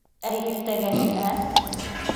Ә иртәгәһенә.